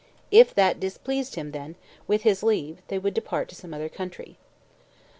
If that displeased him, then, with his leave, they would depart to some other country."